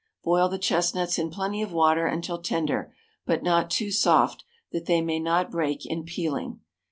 Boil the chestnuts in plenty of water until tender, but not too soft, that they may not break in peeling.